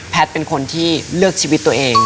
เป็นคนที่เลือกชีวิตตัวเอง